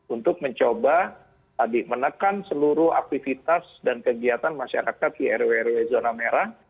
untuk mencoba menekan seluruh aktivitas dan kegiatan masyarakat di rw rw zona merah